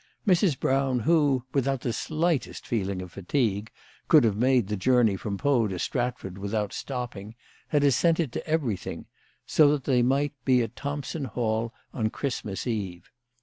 Mrs. Brown, who, without the slightest feeling of fatigue, could have made the journey from Pau to Stratford without stop ping, had assented to everything, so that they might be at Thompson Hall on Christmas Eve.